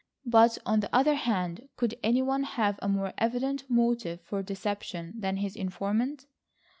But, on the other hand, could any one have a more evident motive for deception than his informant?